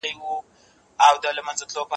که وخت وي، موبایل کاروم!.